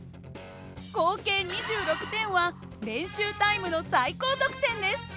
合計２６点は練習タイムの最高得点です。